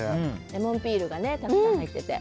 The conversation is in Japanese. レモンピールがたくさん入ってて。